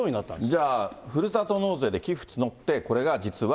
じゃあ、ふるさと納税て寄付募って、これが実は。